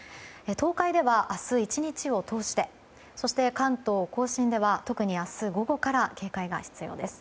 東海では明日１日通してそして関東・甲信では特に明日午後から警戒が必要です。